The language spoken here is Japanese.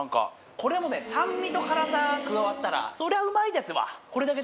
これもうね酸味と辛さ加わったらそりゃうまいですわ。